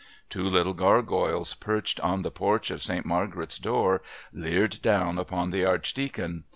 Two little gargoyles, perched on the porch of Saint Margaret's door, leered down upon the Archdeacon.